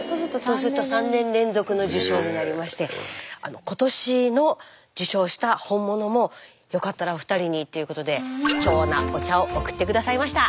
そうすると３年連続の受賞になりまして今年の受賞した本物もよかったらお二人にということで貴重なお茶を送って下さいました！